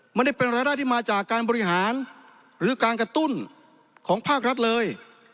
ไม่ได้เป็นรายได้ที่มาจากการบริหารหรือการกระตุ้นของภาครัฐเลย